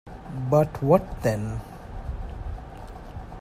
But what then?